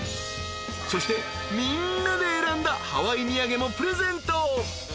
［そしてみんなで選んだハワイ土産もプレゼント］